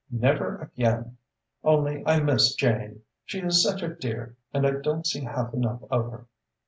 Never again! Only I miss Jane. She is such a dear and I don't see half enough of her."